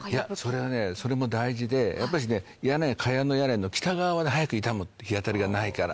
それも大事で茅の屋根の北側は早く傷む日当たりがないから。